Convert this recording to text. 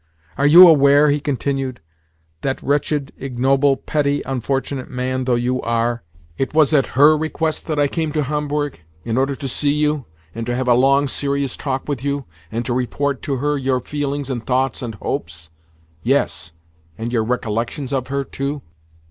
"Are you aware," he continued, "that wretched, ignoble, petty, unfortunate man though you are, it was at her request I came to Homburg, in order to see you, and to have a long, serious talk with you, and to report to her your feelings and thoughts and hopes—yes, and your recollections of her, too?"